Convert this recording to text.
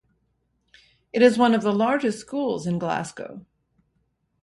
It is one of the largest schools in Glasgow.